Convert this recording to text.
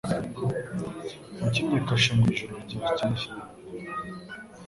Wakinnye kashe mu ijoro ryakeye